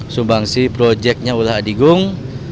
subangsi proyeknya ulah adigung